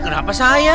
eh kenapa saya